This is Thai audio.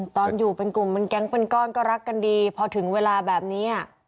ตอนอยู่เป็นกลุ่มเป็นแก๊งเป็นก้อนก็รักกันดีพอถึงเวลาแบบนี้